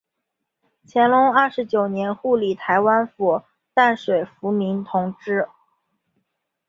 乾隆二十九年护理台湾府淡水抚民同知。